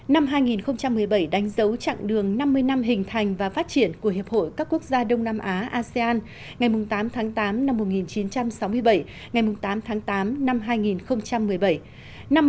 năm hai nghìn một mươi bảy đánh dấu chặng đường năm mươi năm hình thành và phát triển của hiệp hội các quốc gia đông nam á asean ngày tám tháng tám năm một nghìn chín trăm sáu mươi bảy ngày tám tháng tám năm hai nghìn một mươi bảy